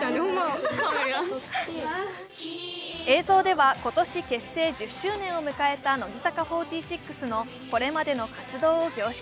映像では今年結成１０周年を迎えた乃木坂４６のこれまでの活動を凝縮。